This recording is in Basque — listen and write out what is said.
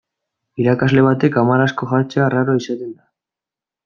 Irakasle batek hamar asko jartzea arraro izaten da.